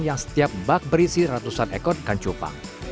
yang setiap bak berisi ratusan ekor ikan cupang